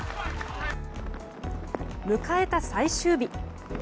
迎えた最終日。